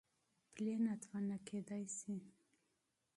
عضلات کمزوري کېدای شي.